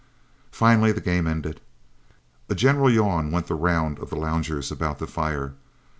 Finally the game ended. A general yawn went the round of the loungers about the fire.